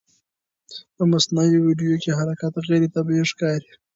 په مصنوعي ویډیو کې حرکت غیر طبیعي ښکاري.